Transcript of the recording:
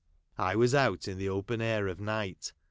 I was out in the open air of night.